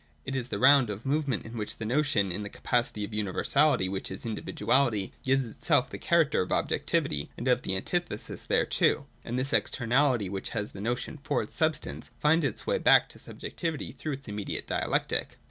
It is the round of movement, in which the notion, in the capacity of universality which is individualit}^ gives itself the character of objectivity and of the antithesis thereto ; and this externalit}' which has the notion for its substance, finds its wa}' back to subjectivity" through its immanent dialectic.